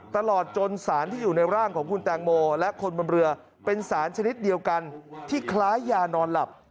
ตลอดจนสารที่อยู่ในร่างของคุณแตงโมและคนบนเรือเป็นสารชนิดเดียวกันที่คล้ายยานอนหลับ